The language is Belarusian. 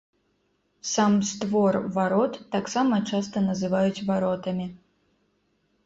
Сам створ варот таксама часта называюць варотамі.